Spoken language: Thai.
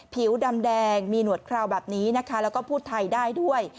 ผิวดำแดงมีหนวดคราวแบบนี้นะคะแล้วก็พูดไทยได้ด้วย